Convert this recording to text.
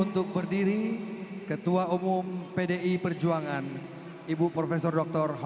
takra buwana sikap berdiri